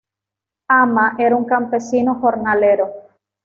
Ama era un campesino jornalero.